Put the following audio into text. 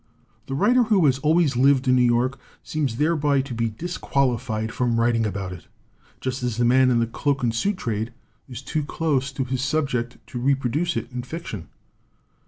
The writer who has always lived in New York seems thereby to be disqualified from writing about it, just as the man in the cloak and suit trade is too close to his subject to reproduce it in fiction.